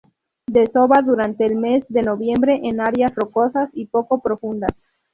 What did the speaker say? Desova durante el mes de noviembre en áreas rocosas y poco profundas.